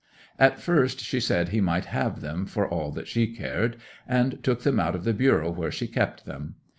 'At first she said he might have them for all that she cared, and took them out of the bureau where she kept them.